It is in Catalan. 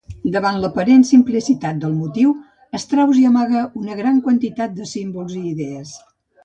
Davant l'aparent simplicitat del motiu, Strauss hi amaga una gran quantitat de símbols i idees.